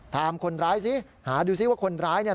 คนร้ายสิหาดูซิว่าคนร้ายเนี่ย